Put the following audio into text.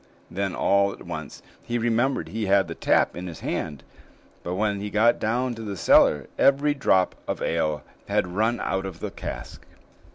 Then all at once he remembered he had the tap in his hand; but when he got down to the cellar, every drop of ale had run out of the cask.